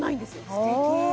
すてき！